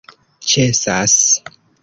ĉesas